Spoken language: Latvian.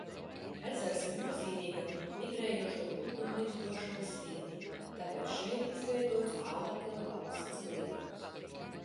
Ezers ir nozīmīga migrējošo putnu ligzdošanas vieta, tāpēc šeit izveidots Alakela valsts liegums.